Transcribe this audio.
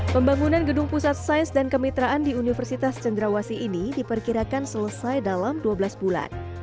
pembangunan gedung pusat sains dan kemitraan di universitas cenderawasi ini diperkirakan selesai dalam dua belas bulan